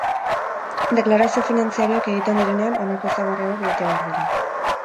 Deklarazio finantzarioak egiten direnean, honako ezaugarri hauek bete behar dira.